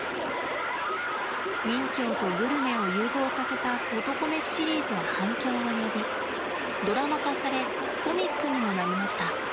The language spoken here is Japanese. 任侠とグルメを融合させた「侠飯」シリーズは反響を呼びドラマ化されコミックにもなりました。